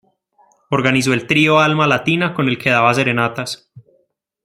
Organizó el trío Alma Latina, con el que daba serenatas.